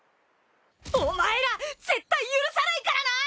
お前ら絶対許さないからな！